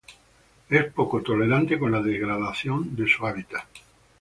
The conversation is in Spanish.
Es poco tolerante con la degradación de su hábitat.